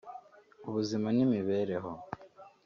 ubuzima n’imibereho